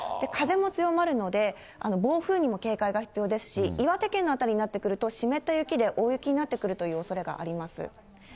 風も強まるので、暴風にも警戒が必要ですし、岩手県の辺りになってくると、湿った雪で、大雪になってくるというおそれがあります。